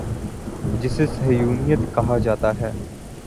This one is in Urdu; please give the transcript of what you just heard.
جسے صہیونیت کہا جا تا ہے۔